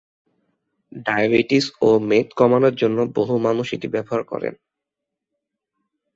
Diabetes ও মেদ কমানোর জন্য বহু মানুষ এটি ব্যবহার করেন।